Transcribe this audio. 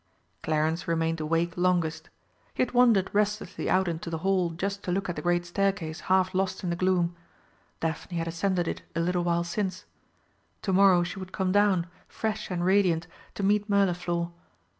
Clarence remained awake longest. He had wandered restlessly out into the hall just to look at the great Staircase half lost in the gloom. Daphne had ascended it a little while since. To morrow she would come down, fresh and radiant, to meet Mirliflor.